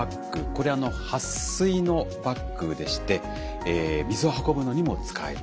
これは撥水のバッグでして水を運ぶのにも使える。